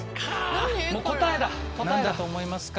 何だと思いますか？